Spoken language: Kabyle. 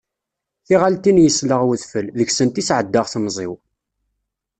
Tiɣaltin yesleɣ wedfel, deg-sent i sɛeddaɣ temẓi-w.